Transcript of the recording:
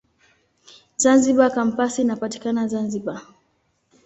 Zanzibar Kampasi inapatikana Zanzibar.